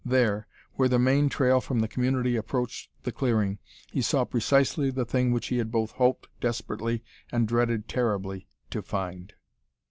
There, where the main trail from the community approached the clearing, he saw precisely the thing which he had both hoped desperately and dreaded terribly to find.